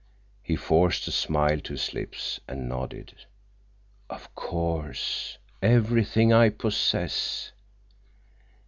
He forced a smile to his lips and nodded. "Of course. Everything I possess."